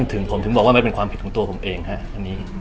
ถึงผมถึงบอกว่ามันเป็นความผิดของตัวผมเองฮะอันนี้